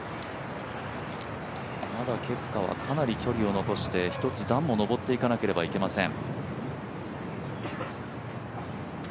ケプカはまだかなり距離を残して、１つ段も上っていかなければいけません。